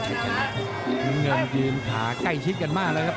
สังเกติกอีสุดท้ายนิยาควรโดนเขี่ยวลม